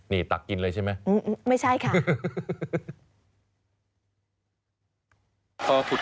อ๋อนี่ตักกินเลยใช่ไหม